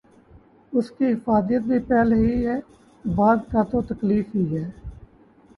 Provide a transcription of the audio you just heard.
اس کی افادیت بھی پہلے ہی ہے، بعد کا تو تکلف ہی ہے۔